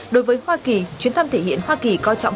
đối với hoa kỳ chuyến thăm thể hiện hoa kỳ coi trọng